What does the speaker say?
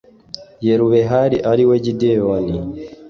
yerubehali ari we gideyoni